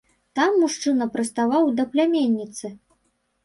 Там мужчына прыставаў да пляменніцы.